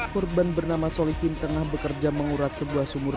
korban bernama solihin tengah bekerja menguras sebuah sumur